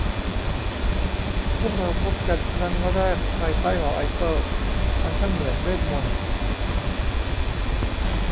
พวกเราพบกันครั้งแรกภายใต้หอไอเฟล มันช่างเหมือนเวทมนตร์